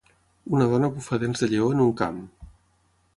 Una dona bufa dents de lleó en un camp.